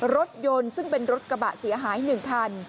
รถยนต์ซึ่งเป็นรถกระบะเสียหาย๑คัน